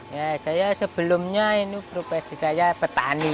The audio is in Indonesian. ya saya sebelumnya ini profesi saya petani